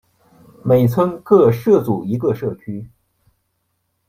每村各设组一个社区。